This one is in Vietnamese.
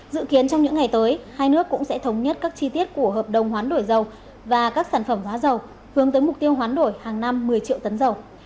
dự kiến trong những ngày tới hai nước cũng sẽ thống nhất các chi tiết của hợp đồng hoán đổi dầu và các sản phẩm hóa dầu hướng tới mục tiêu hoán đổi hàng năm một mươi triệu tấn dầu